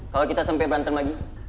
kalau kita sampai banten lagi